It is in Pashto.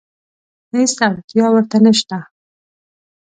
هېڅ اړتیا ورته نشته.